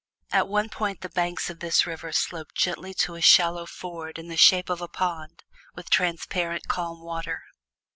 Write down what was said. At one point the banks of this river sloped gently to a shallow ford in the shape of a pond with transparent, calm water.